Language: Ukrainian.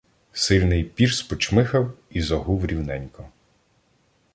Сильний "Пірс" почмихав і загув рівненько.